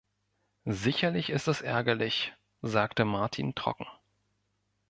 "Sicherlich ist es ärgerlich", sagte Martin trocken.